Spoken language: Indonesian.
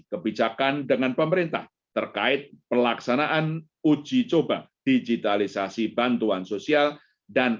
kebijakan dengan pemerintah terkait pelaksanaan uji coba digitalisasi bantuan sosial dan